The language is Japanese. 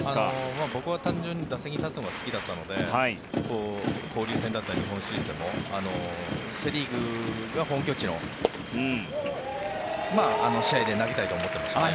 僕は単純に打席に立つのが好きだったので交流戦だったり日本シリーズでもセ・リーグが本拠地の試合で投げたいと思ってましたね。